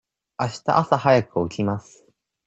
あした朝早く起きます。